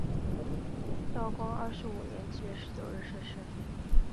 道光二十五年七月十九日逝世。